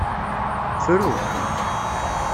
Fru.